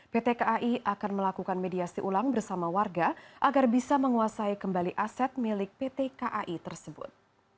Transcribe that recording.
pt kai akan melakukan mediasi ulang bersama warga agar bisa menguasai kembali aset milik pt kai tersebut